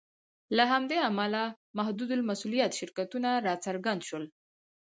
له همدې امله محدودالمسوولیت شرکتونه راڅرګند شول.